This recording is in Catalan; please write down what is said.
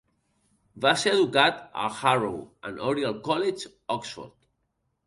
Va ser educat al Harrow and Oriel College, Oxford.